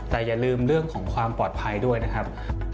แต่อย่าลืมเรื่องของความปลอดภัยด้วยนะครับ